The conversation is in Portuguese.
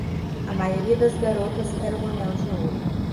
A maioria das garotas quer um anel de ouro.